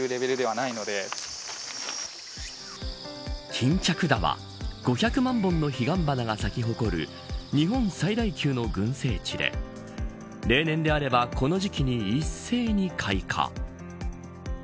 巾着田は、５００万本のヒガンバナが咲き誇る日本最大級の群生地で例年であればこの時期に一斉に開花。